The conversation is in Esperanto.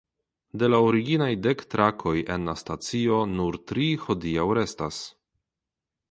De la originaj dek trakoj en la stacio nur tri hodiaŭ restas.